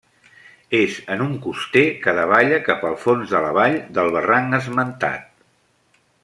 És en un coster que davalla cap al fons de la vall del barranc esmentat.